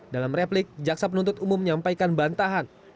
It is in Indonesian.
dalam replik jaksa penuntut umum menyampaikan bantahan